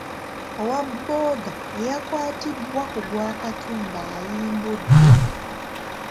Owaboda eyakwatibwa ku gwa Katumba ayimbuddwa.